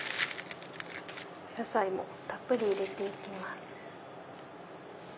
お野菜もたっぷり入れて行きます。